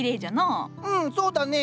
うんそうだね。